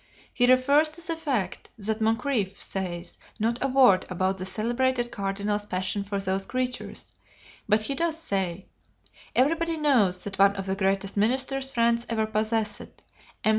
He refers to the fact that Moncrif says not a word about the celebrated cardinal's passion for those creatures; but he does say, "Everybody knows that one of the greatest ministers France ever possessed, M.